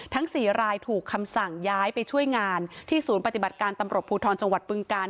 ทั้ง๔รายถูกคำสั่งย้ายไปช่วยงานที่ศูนย์ปฏิบัติการตำรวจภูทรจังหวัดบึงกาล